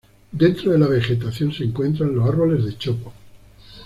Dentro de la vegetación se encuentran los árboles de chopo.